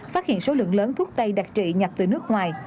phát hiện số lượng lớn thuốc tây đặc trị nhập từ nước ngoài